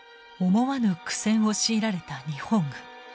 思わぬ苦戦を強いられた日本軍。